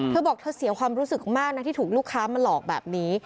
เธอบอกเธอเสียความรู้สึกมากนะที่ถูกลูกค้ามาหลอกแบบนี้